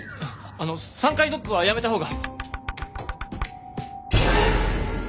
あの３回ノックはやめた方が。